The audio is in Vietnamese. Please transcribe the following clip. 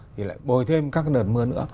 thì lại bồi thêm các đợt mưa nữa